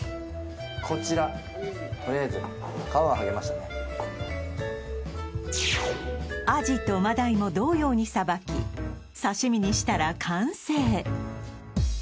こちらとりあえずアジとマダイも同様にさばき刺身にしたら完成！